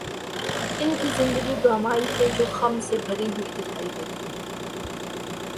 ان کی زندگی ڈرامائی پیچ و خم سے بھری ہوئی دکھائی دیتی ہے